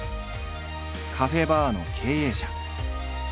カフェバーの経営者。